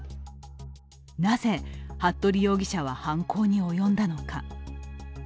なぜ服部容疑者は、犯行に及んだのか。